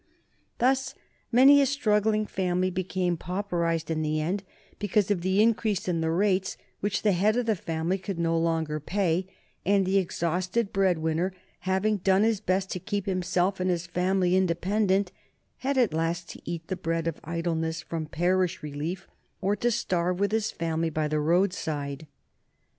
Thus many a struggling family became pauperized in the end because of the increase in the rates which the head of the family could no longer pay, and the exhausted breadwinner, having done his best to keep himself and his family independent, had at last to eat the bread of idleness from parish relief, or to starve with his family by the road side.